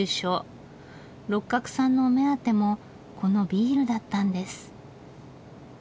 六角さんのお目当てもこのビールだったんです。